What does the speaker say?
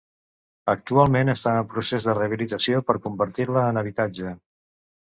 Actualment està en procés de rehabilitació per convertir-la en habitatge.